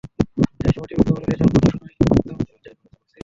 একসময় টিভির খবরে রিজওয়ানার কণ্ঠ শোনা যাওয়ামাত্রই ওরা চ্যানেল পরিবর্তন করছিল।